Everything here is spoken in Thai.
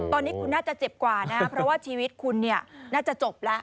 ตอนนี้คุณน่าจะเจ็บกว่านะเพราะว่าชีวิตคุณเนี่ยน่าจะจบแล้ว